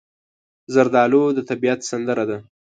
زردالو د طبیعت سندره ده.